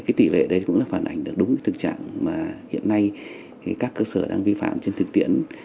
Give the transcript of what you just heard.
cái tỷ lệ đấy cũng là phản ảnh được đúng cái thực trạng mà hiện nay các cơ sở đang vi phạm trên thực tiễn